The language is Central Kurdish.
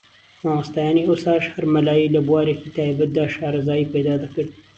مامۆستایانی ئەوساش ھەر مەلایەی لە بوارێکی تایبەتدا شارەزایی پەیدا دەکرد